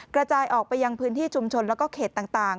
กระจายออกไปยังพื้นที่ชุมชนแล้วก็เขตต่าง